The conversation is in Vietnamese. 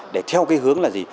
để theo cái hướng là gì